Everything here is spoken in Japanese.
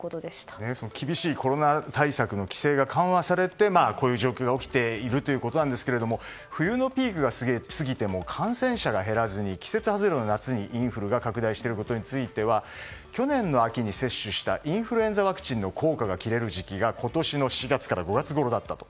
厳しいコロナ対策の規制が緩和されてこういう状況が起きているということですが冬のピークが過ぎても感染者が減らずに季節外れの夏にインフルが拡大していることについては去年の秋に接種したインフルエンザワクチンの効果が切れる時期が今年の４月から５月ごろだったと。